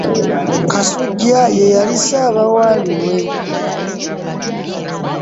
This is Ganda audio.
Kasujja ye yali Ssaabawaali we.